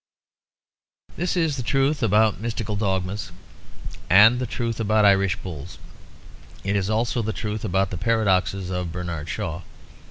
This is the truth about mystical dogmas and the truth about Irish bulls; it is also the truth about the paradoxes of Bernard Shaw.